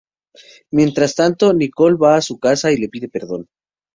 Mientras tanto, Nicole va a su casa y le pide perdón.